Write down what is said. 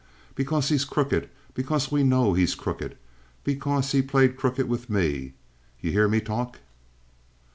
Because he's crooked, because we know he's crooked; because he played crooked with me. You hear me talk?"